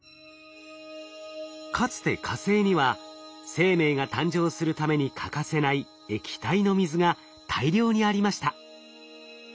かつて火星には生命が誕生するために欠かせない液体の水が大量にありました。